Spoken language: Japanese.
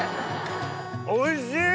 おいしい！